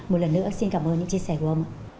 một lần nữa xin cảm ơn những chia sẻ của ông ạ